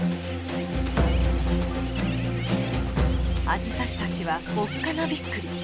アジサシたちはおっかなびっくり。